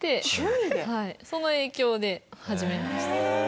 その影響で始めました。